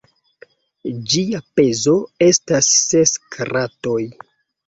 Ĝia pezo estas ses karatoj.